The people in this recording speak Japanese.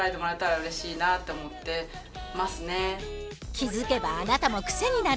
気付けばあなたもクセになる！